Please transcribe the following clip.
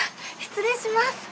失礼します。